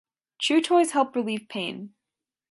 Chew toys help relieve pain.